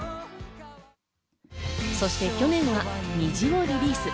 そして去年は『虹』をリリース。